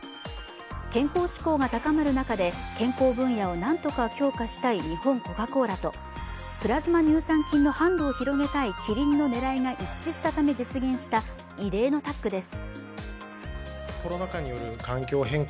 健康志向が高まる中で健康分野を何とか強化したい日本コカ・コーラとプラズマ乳酸菌の販路を広げたいキリンの狙いが一致したため実現した異例のタッグです。